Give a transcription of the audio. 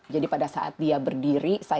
jadi pada saat dia berdiri